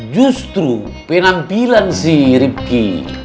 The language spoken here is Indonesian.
justru penampilan si rifki